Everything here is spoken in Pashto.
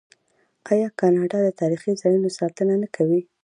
آیا کاناډا د تاریخي ځایونو ساتنه نه کوي؟